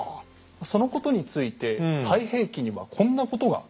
そのことについて「太平記」にはこんなことが書かれています。